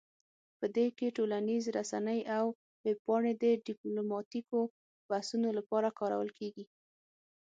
په دې کې ټولنیز رسنۍ او ویب پاڼې د ډیپلوماتیکو بحثونو لپاره کارول کیږي